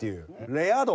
レア度。